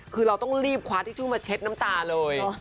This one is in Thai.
คือเราต้องรีบคว้าทิชชู่มาเช็ดน้ำตาเลย